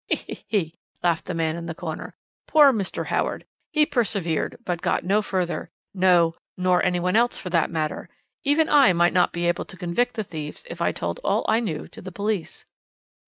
he! he!" laughed the man in the corner. "Poor Mr. Howard. He persevered but got no farther; no, nor anyone else, for that matter. Even I might not be able to convict the thieves if I told all I knew to the police.